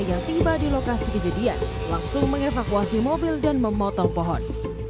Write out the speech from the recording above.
yang tiba di lokasi kejadian langsung mengevakuasi mobil dan memotong pohon